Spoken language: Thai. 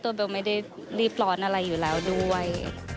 เบลไม่ได้รีบร้อนอะไรอยู่แล้วด้วย